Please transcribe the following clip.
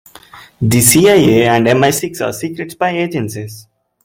The CIA and MI-Six are secret spy agencies.